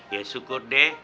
ya syukur deh